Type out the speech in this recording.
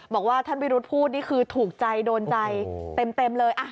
บอกว่าท่านวิรุธพูดนี่คือถูกใจโดนใจเต็มเลย